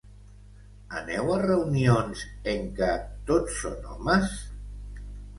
Aneu a reunions en què tot són homes?